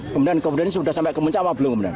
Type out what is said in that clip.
kemudian ini sudah sampai kemencah atau belum